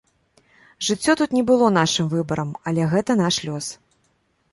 Жыццё тут не было нашым выбарам, але гэта наш лёс.